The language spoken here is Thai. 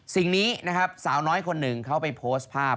สิ่งนี้นะครับสาวน้อยคนหนึ่งเขาไปโพสต์ภาพ